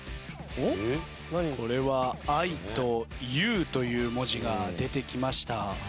これはＩとＵという文字が出てきました。